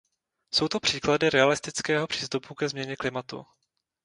Jsou to příklady realistického přístupu ke změně klimatu.